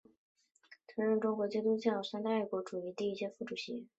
曾任中国基督教三自爱国运动委员会第一届副主席。